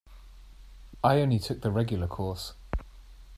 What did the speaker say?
‘I only took the regular course.’